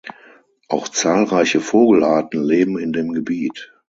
Auch zahlreiche Vogelarten leben in dem Gebiet.